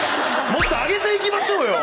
もっと上げていきましょうよ！